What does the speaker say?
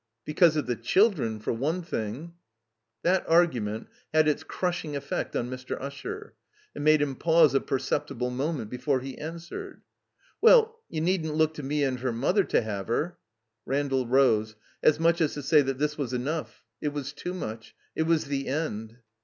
"Because of the children — ^for one thing." That argument had its crushing efifect on Mr. Usher. It made him pause a perceptible moment before he answered. "Well — ^you needn't look to me and her mother to 'ave her —" Randall rose, as much as to say that this was enough; it was too much; it was the end.